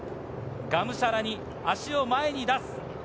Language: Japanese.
がむしゃらに足を前に出す。